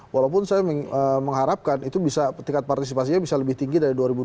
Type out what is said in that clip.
walaupun saya mengharapkan itu bisa tingkat partisipasinya bisa lebih tinggi dari dua ribu dua puluh